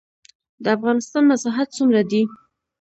د افغانستان مساحت څومره دی؟